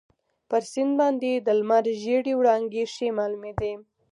پر سیند باندي د لمر ژېړې وړانګې ښې معلومیدلې.